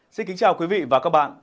xin kính chào quý vị và các bạn